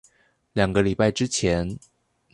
兩個禮拜之前